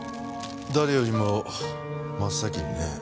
誰よりも真っ先にね。